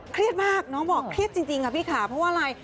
เครียดมากน้องบอกเครียดจริงค่ะพี่ขาเพราะว่าอะไร